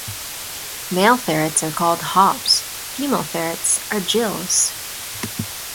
Male ferrets are called hobs; female ferrets are jills.